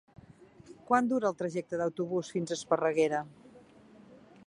Quant dura el trajecte en autobús fins a Esparreguera?